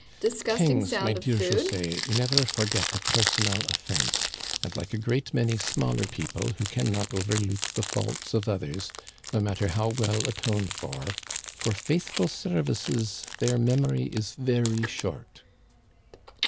Kings, my dear José, never forget a personal of fense, and, like a great many smaller people who can not overlook the faults of others, no matter how well atoned for, for faithful services, their memory is very short."